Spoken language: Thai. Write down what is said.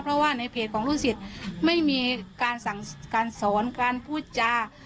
เพราะว่าในเพจของลูกสิทธิ์ไม่มีการสอนการพูดจา